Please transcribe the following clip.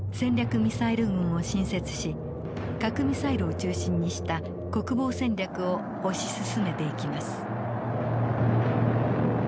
ミサイル軍を新設し核ミサイルを中心にした国防戦略を推し進めていきます。